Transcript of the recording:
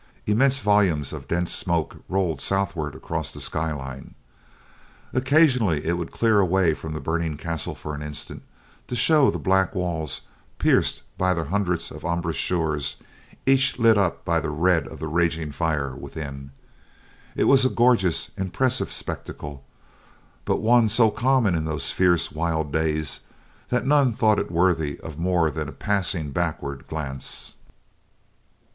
Immense volumes of dense smoke rolled southward across the sky line. Occasionally it would clear away from the burning castle for an instant to show the black walls pierced by their hundreds of embrasures, each lit up by the red of the raging fire within. It was a gorgeous, impressive spectacle, but one so common in those fierce, wild days, that none thought it worthy of more than a passing backward glance.